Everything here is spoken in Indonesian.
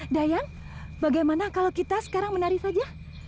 dayang bagaimana kalau kita sekarang menari saja